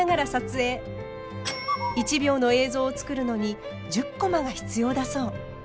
１秒の映像を作るのに１０コマが必要だそう。